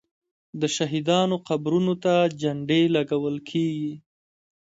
د شهیدانو قبرونو ته جنډې لګول کیږي.